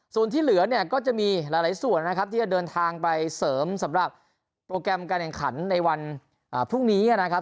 ส่วนที่เหลือเนี่ยก็จะมีหลายส่วนนะครับที่จะเดินทางไปเสริมสำหรับโปรแกรมการแข่งขันในวันพรุ่งนี้นะครับ